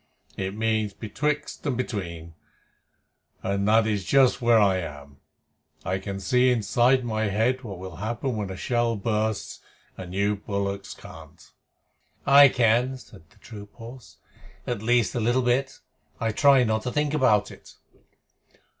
It means betwixt and between, and that is just where I am. I can see inside my head what will happen when a shell bursts, and you bullocks can't." "I can," said the troop horse. "At least a little bit. I try not to think about it."